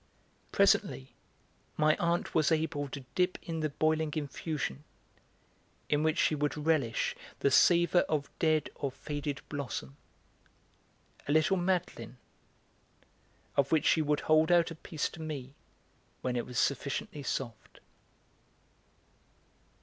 Presently my aunt was able to dip in the boiling infusion, in which she would relish the savour of dead or faded blossom, a little madeleine, of which she would hold out a piece to me when it was sufficiently soft.